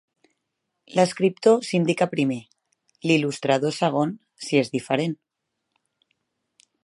L'escriptor s'indica primer, l'il·lustrador segon si és diferent.